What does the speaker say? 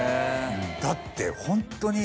だってホントに。